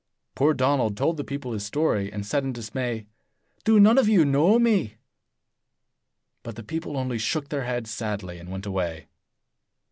Poor Donald told the people his story, and said in dismay, "Do none of you know me?" But the people only shook their heads sadly and went away.